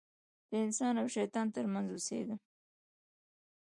د انسان او شیطان تر منځ اوسېږم.